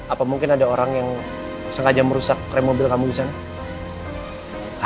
apa mungkin ada orang yang sengaja merusak rem mobil kamu di sana